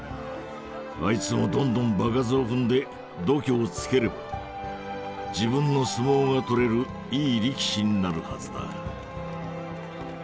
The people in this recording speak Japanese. あいつもどんどん場数を踏んで度胸をつければ自分の相撲がとれるいい力士になるはずだ。